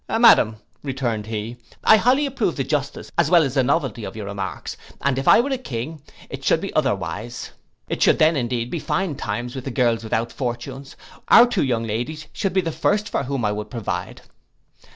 'Madam,' returned he, 'I highly approve the justice, as well as the novelty, of your remarks, and if I were a king, it should be otherwise. It should then, indeed, be fine times with the girls without fortunes: our two young ladies should be the first for whom I would provide.